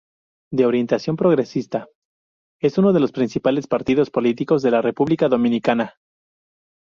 De orientación progresista, es uno de los principales partidos políticos de la República Dominicana.